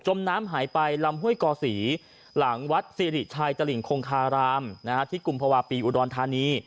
มน้ำหายไปลำห้วยกอศรีหลังวัดสิริชัยตลิ่งคงคารามที่กุมภาวะปีอุดรธานี